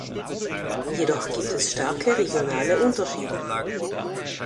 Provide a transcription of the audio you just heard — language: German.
Jedoch gibt es starke regionale Unterschiede.